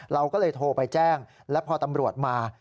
เราก็เลยโทรไปแจ้งแล้วพอตำรวจมา